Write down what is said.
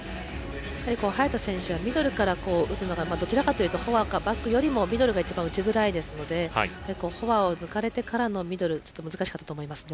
早田選手はミドルから打つのがどちらからいうとフォアやバックよりもミドルが一番、打ちづらいのでフォアを抜かれてからのミドルはちょっと難しかったと思いますね。